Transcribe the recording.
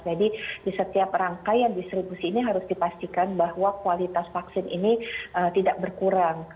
jadi di setiap rangkaian distribusi ini harus dipastikan bahwa kualitas vaksin ini tidak berkurang